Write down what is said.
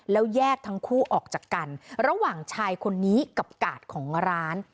แล้วแยกทั้งคู่ออกจากกันระหว่างชายคนนี้กับกาดของร้าน